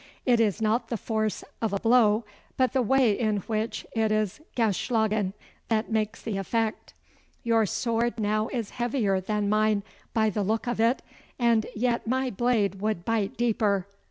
It is not the force of a blow, but the way in which it is geschlagen, that makes the effect. Your sword now is heavier than mine, by the look of it, and yet my blade would bite deeper.